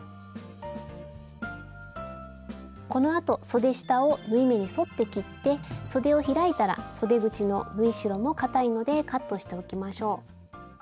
このあとそで下を縫い目に沿って切ってそでを開いたらそで口の縫い代もかたいのでカットしておきましょう。